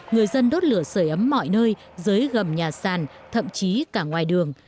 người dân đốt lửa sửa ấm mọi nơi dưới gầm nhà sàn thậm chí cả ngoài đường